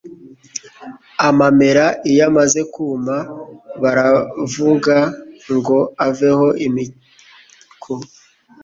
amamera iyo amaze kuma, baravunga ngo aveho imiko